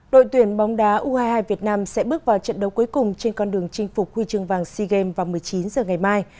đội tuyển bóng đá u hai mươi hai việt nam sẽ bước vào trận đấu cuối cùng trên con đường chinh phục huy trường vàng sea games vào một mươi chín h ngày mai